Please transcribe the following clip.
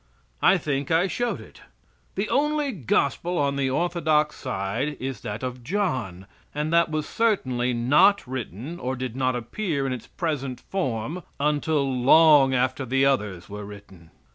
I think I showed it. The only gospel on the orthodox side is that of John, and that was certainly not written, or did not appear in its present form, until long after the others were written.